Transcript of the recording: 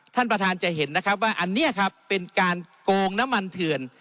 ท่านประธานจะเห็นนะครับว่าอันนี้ครับเป็นการโกงน้ำมันเถื่อน